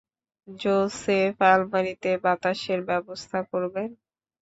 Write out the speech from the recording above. Joseph, আলমারিতে বাতাসের ব্যাবস্থা করবেন?